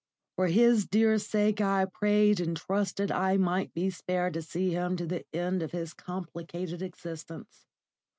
For his dear sake I prayed and trusted I might be spared to see him to the end of his complicated existence.